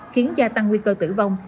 khiến gia tăng nguy cơ tử vong